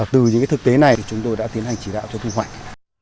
từ những cái thực tế này thì chúng tôi đã tiến hành chỉ đạo cho thu hoạch